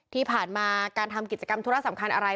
ที่ผ่านมาการทำกิจกรรมธุระสำคัญอะไร